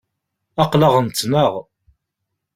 Aql-aɣ nettnaɣ